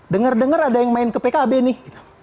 denger denger ada yang main ke pkb nih